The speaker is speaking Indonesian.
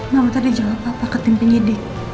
mama tadi jawab apa ke tim pnjd